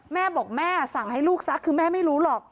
แม่บอกแม่สั่งให้ลูกซักคือแม่ไม่รู้หรอก